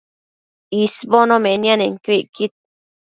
isbono nemianenquio icquid